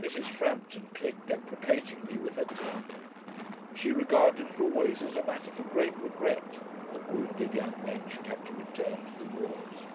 Mrs. Frampton clicked deprecatingly with her tongue. She regarded it always as a matter for great regret that wounded young men should have to return to the wars.